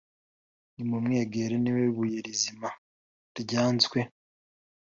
Nimumwegere ni we Buye rizima ryanzwe